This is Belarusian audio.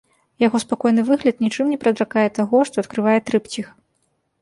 Яго спакойны выгляд нічым не прадракае таго, што адкрывае трыпціх.